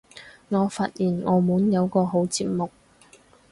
我發現澳門有個好節目